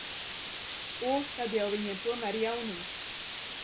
O, tad jau viņiem tomēr jaunums.